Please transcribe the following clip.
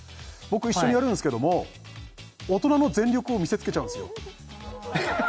僕一緒にやるんすけども大人の全力を見せつけちゃうんですよ